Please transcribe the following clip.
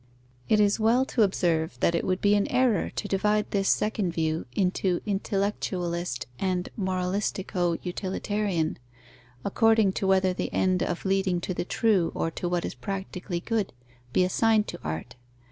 It is well to observe that it would be an error to divide this second view into intellectualist and moralistico utilitarian, according to whether the end of leading to the true or to what is practically good, be assigned to art.